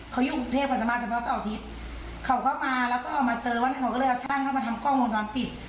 เขาอยู่กรุงเทพศาสตร์สำมารถเฉพาะเศร้าอาทิตย์เขาก็มาแล้วก็เรามาเจอว่าเนี้ยเขาก็เลยเอาช่างเข้ามาทำกล้องวงจอมปิด